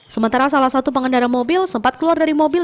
sementara salah satu pengendara mobil sempat keluar dari mobil